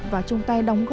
và trung tài đồng hành